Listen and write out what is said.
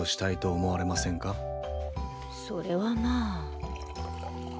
それはまあ。